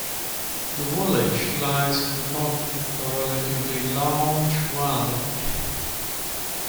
The village lies in the bottom of a relatively large valley.